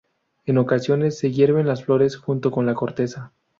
En ocasiones se hierven las flores junto con la corteza.